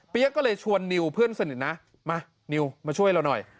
ก็เลยชวนนิวเพื่อนสนิทนะมานิวมาช่วยเราหน่อย